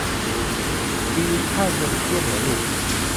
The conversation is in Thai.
ตีไพ่ยันเที่ยงเหรอลุง